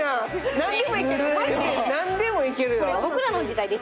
何でもいけるやん。